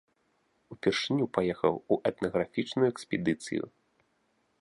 Упершыню паехаў у этнаграфічную экспедыцыю.